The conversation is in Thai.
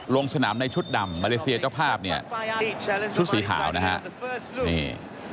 ลงสนามในชุดดำมาเลเซียเจ้าภาพเนี่ยชุดสีขาวนะฮะนี่